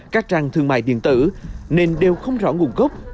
các trang thương mại điện tử nên đều không rõ nguồn gốc